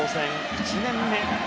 １年目。